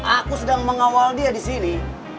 aku sedang mengawal dia disini